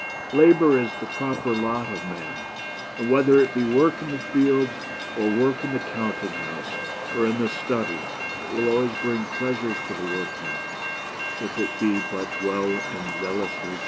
Labor is the proper lot of man ; and whether it be work in the fields, or work in the counting house, or in the study, it will always bring pleasure to the workman, if it be but well and zealously done.